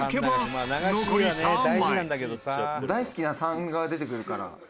「大好きな３が出てくるから」